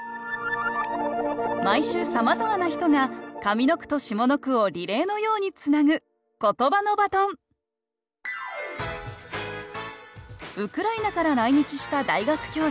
毎週さまざまな人が上の句と下の句をリレーのようにつなぐウクライナから来日した大学教授